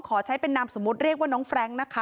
ขอใช้เป็นนามสมมุติเรียกว่าน้องแฟรงค์นะคะ